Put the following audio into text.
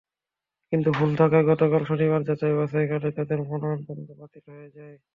কিন্তু ভুল থাকায় গতকাল শনিবার যাচাই-বাছাইকালে তাঁদের মনোনয়নপত্র বাতিল হয়ে যায়।